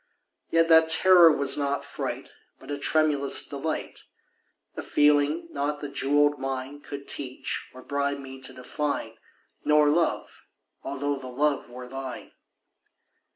Yet that terror was not fright, But a tremulous delight— A feeling not the jewelled mine Could teach or bribe me to define— Nor Love—although the Love were thine.